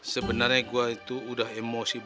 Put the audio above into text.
sebenernya gua itu udah emosi banget sama mereka